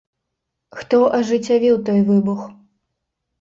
Хто ажыццявіў той выбух?